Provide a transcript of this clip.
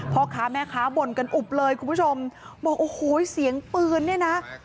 พ่อค้าแม่ค้าบ่นกันอุบเลยคุณผู้ชมบอกโอ้โหเสียงปืนเนี่ยนะ